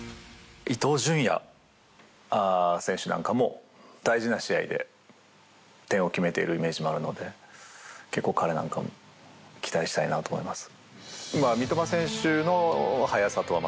伊東純也選手なんかも大事な試合で点を決めているイメージもあるので結構、彼なんかも期待したいなと思います。